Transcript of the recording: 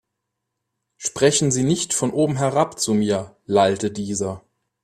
Sprechen Sie nicht von oben herab zu mir, lallte dieser.